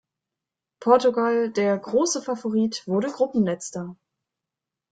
Portugal, der große Favorit, wurde Gruppenletzter.